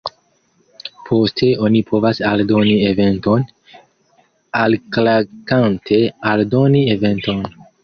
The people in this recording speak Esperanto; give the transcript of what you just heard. Poste oni povas aldoni eventon, alklakante 'Aldoni eventon'.